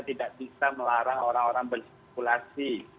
kita tidak bisa melarang orang orang berstekulasi